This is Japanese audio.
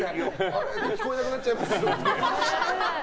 聞こえなくなっちゃいますって。